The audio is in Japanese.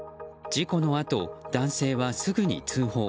事故のあと、男性はすぐに通報。